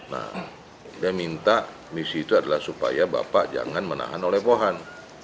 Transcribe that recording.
nah dia minta misi itu adalah supaya bapak jangan menahan oleh pohon